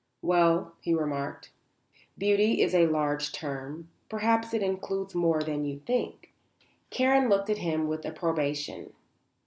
"Well," he remarked, "beauty is a large term. Perhaps it includes more than you think." Karen looked at him with approbation.